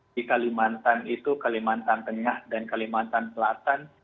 di kalimantan itu kalimantan tengah dan kalimantan selatan